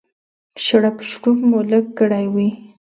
شړپ شړوپ مو لږ کړی وي.